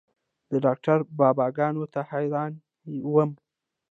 د ډاکتر بابا ګانو ته حيران وم.